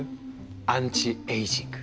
アンチエイジング。